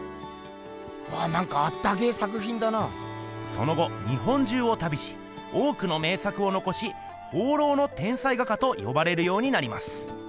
その後日本中を旅し多くの名作をのこしとよばれるようになります。